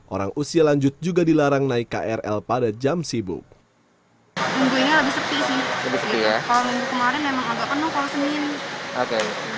orang usia lanjut juga dilarang naik krl pada jam sibuk